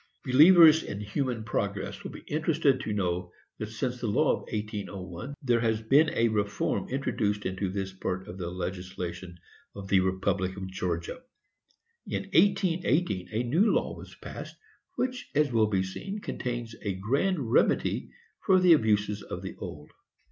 Believers in human progress will be interested to know that since the law of 1801 there has been a reform introduced into this part of the legislation of the republic of Georgia. In 1818, a new law was passed, which, as will be seen, contains a grand remedy for the abuses of the old.